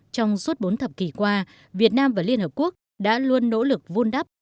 trong suốt bốn thập kỷ qua việt nam và liên hợp quốc đã luôn nỗ lực vun đắp